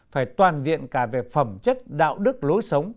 phải toàn diện cả về phẩm chất đạo đức lối sống